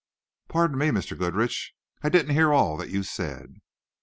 "Pardon me, Mr. Goodrich; I didn't hear all that you said."